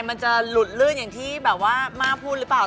มันจะหลุดลื่นอย่างที่แบบว่าม่าพูดหรือเปล่า